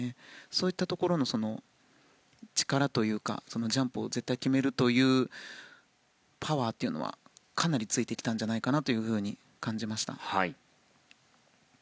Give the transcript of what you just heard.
そういったところの力というかジャンプを絶対に決めるというパワーというのはかなりついてきたんじゃないかなと感じました。